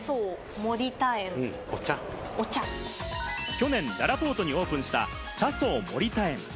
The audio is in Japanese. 去年、ららぽーとにオープンした、茶想もりた園。